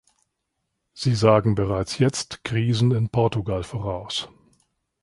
Sie sagen bereits jetzt Krisen in Portugal voraus.